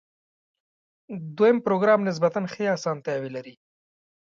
دویم پروګرام نسبتاً ښې آسانتیاوې لري.